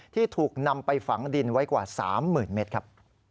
ที่ถูกนำไปฝังดินไว้กว่า๓๐๐๐เมตรครับ